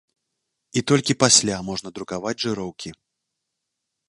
І толькі пасля можна друкаваць жыроўкі.